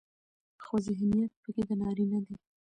خو ذهنيت پکې د نارينه دى